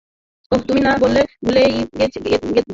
ওহ, তুমি না বললে ভুলেই যেতাম!